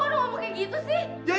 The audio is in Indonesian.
kamu kayak gitu sih